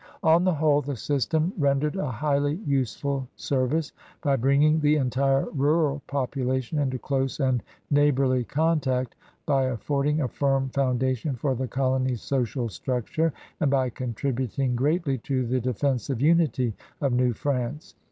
On the whole, the system rend ered a highly useful service, by bringing the entire rural population into dose and neighborly con tact, by affording a firm foundation for the colony's sodal structure, and by contributing greatly to the defensive unity of New France.